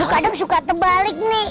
kadang suka terbalik nih